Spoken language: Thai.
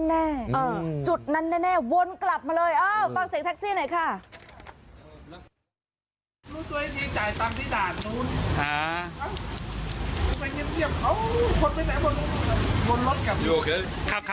แน่จุดนั้นแน่วนกลับมาเลยฟังเสียงแท็กซี่หน่อยค่ะ